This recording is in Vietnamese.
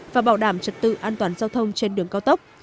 và bảo đảm trật tự an toàn giao thông trên đường cao tốc